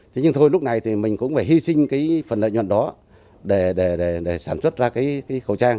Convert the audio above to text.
thế nhưng thôi lúc này thì mình cũng phải hy sinh cái phần lợi nhuận đó để sản xuất ra cái khẩu trang